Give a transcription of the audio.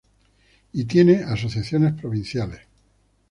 Y tiene asociaciones provinciales.